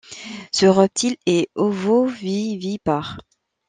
Ce reptile est ovovivipare.